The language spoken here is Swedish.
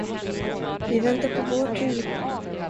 Vi väntar på vår tur!